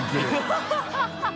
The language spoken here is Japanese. ハハハ